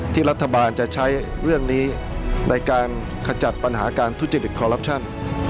รัฐบาลจะใช้เรื่องนี้ในการขจัดปัญหาการทุจริตคอลลับชั่น